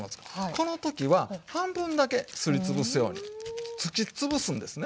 この時は半分だけすり潰すようにつき潰すんですね。